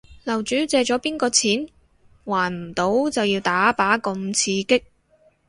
樓主借咗邊個錢？還唔到就要打靶咁刺激